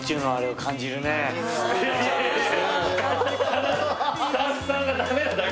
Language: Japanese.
スタッフさんがダメなだけ。